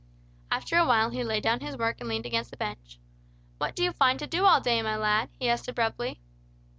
After a while he laid down his work and leaned against the bench. "What do you find to do all day, my lad?" he asked, abruptly.